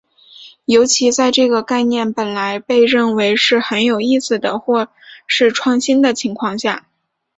尤其在这个概念本来被认为是很有意思的或是创新的情况下。